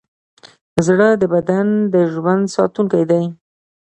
زړه د بدن د ژوند ساتونکی دی.